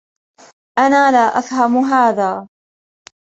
أنا لا أفهم هذا.